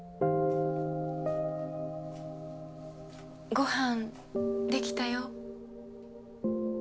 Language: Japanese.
ご飯できたよ。